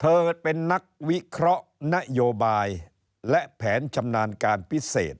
เธอเป็นนักวิเคราะห์นโยบายและแผนชำนาญการพิเศษ